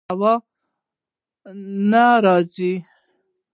هوا نه راځي